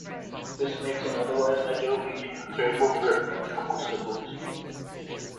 This makes an otherwise ideal region unfavorable for tropical cyclones.